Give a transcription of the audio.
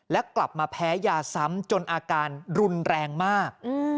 และกลับมาแพ้ยาซ้ำจนอาการรุนแรงมาก